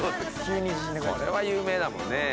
これは有名だもんね。